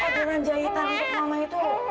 dengan jahitan untuk mama itu